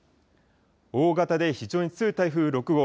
大型で非常に強い台風６号。